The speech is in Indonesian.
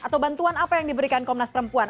atau bantuan apa yang diberikan komnas perempuan